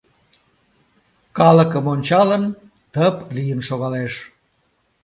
Калыкым ончалын, тып лийын шогалеш.